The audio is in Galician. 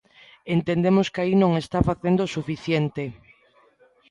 Entendemos que aí non están facendo o suficiente.